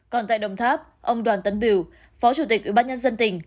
còn tại đồng tháp ông đoàn tấn biểu phó chủ tịch ủy ban nhân dân tỉnh